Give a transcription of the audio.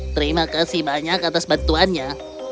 terima kasih banyak atas bantuannya